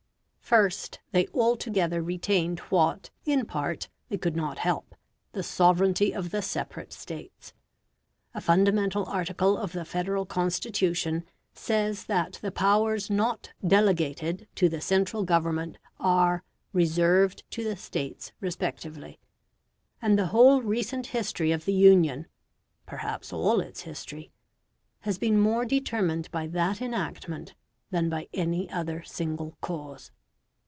First, they altogether retained what, in part, they could not help, the sovereignty of the separate States. A fundamental article of the Federal Constitution says that the powers not "delegated" to the central Government are "reserved to the States respectively". And the whole recent history of the Union perhaps all its history has been more determined by that enactment than by any other single cause.